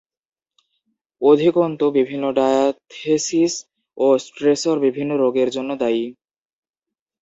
অধিকন্তু, বিভিন্ন ডায়াথেসিস ও স্ট্রেসর বিভিন্ন রোগের জন্য দায়ী।